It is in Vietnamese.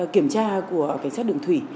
kiểm tra của cảnh sát đường thủy